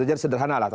jadi sederhana lah